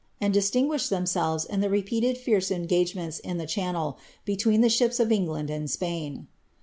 and distinguished themselves in the repeated fierce eiigagenienl:; in the Channel, between the ships of England and Spain.'